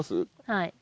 はい。